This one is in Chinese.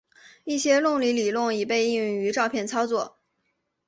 一些伦理理论已被应用于照片操作。